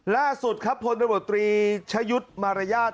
ล่าสุดครับผลบัตรบริชยุทธ์มารยาท